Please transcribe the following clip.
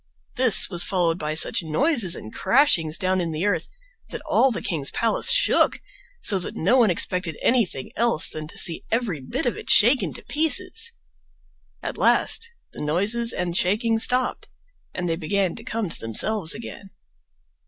This was followed by such noises and crashings down in the earth that all the king's palace shook, so that no one expected anything else than to see every bit of it shaken to pieces. At last the noises and shaking stopped, and they began to come to themselves again.